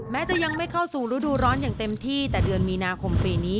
จะยังไม่เข้าสู่ฤดูร้อนอย่างเต็มที่แต่เดือนมีนาคมปีนี้